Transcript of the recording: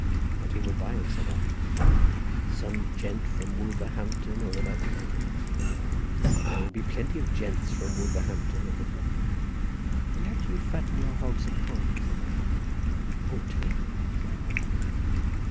"And who will buy him?" said I. "Some gent from Wolverhampton or about there," said the man; "there will be plenty of gents from Wolverhampton at the fair." "And what do you fatten your hogs upon?" said I. "Oatmeal," said the man.